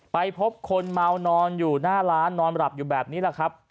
ไปพบคนเมานอนอยู่หน้าร้านนอนหลับอยู่แบบนี้แหละครับ